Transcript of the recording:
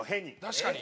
確かに！